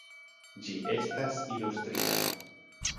Ĝi estas ilustrita.